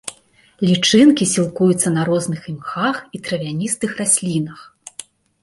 Лічынкі сілкуюцца на розных імхах і травяністых раслінах.